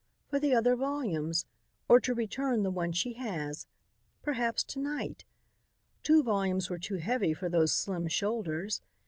For the other volume, or to return the one she has. Perhaps to night. Two volumes were too heavy for those slim shoulders.